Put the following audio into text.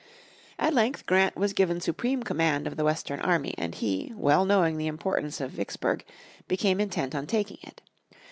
At length Grant was given supreme command of the western army, and he, well knowing the importance of Vicksburg, became intent on taking it.